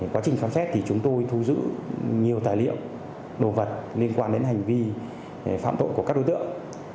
quá trình khám xét thì chúng tôi thu giữ nhiều tài liệu đồ vật liên quan đến hành vi phạm tội của các đối tượng